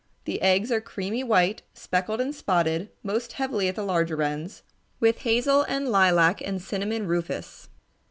The eggs are creamy white, speckled and spotted, most heavily at the larger ends, with hazel and lilac and cinnamon rufous.